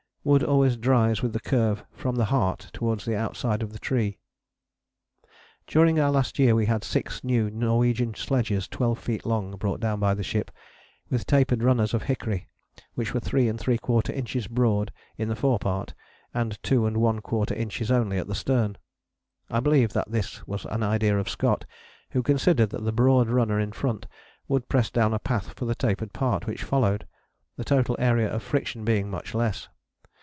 Wood always dries with the curve from the heart towards the outside of the tree. During our last year we had six new Norwegian sledges twelve feet long, brought down by the ship, with tapered runners of hickory which were 3¾ inches broad in the fore part and 2¼ inches only at the stern. I believe that this was an idea of Scott, who considered that the broad runner in front would press down a path for the tapered part which followed, the total area of friction being much less.